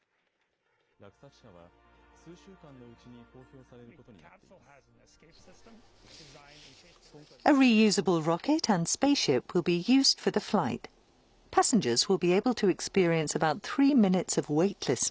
落札者は数週間のうちに公表されることになっています。